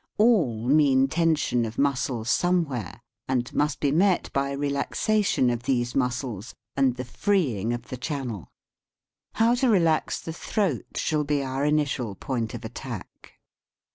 All mean tension of muscles somewhere, and must be met by relaxation of these muscles and the freeing of the channel. How to relax the i^throat shall be our initial point of attack.